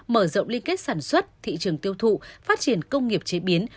mở rộng liên kết sản xuất thị trường tiêu thụ phát triển công nghiệp chế biến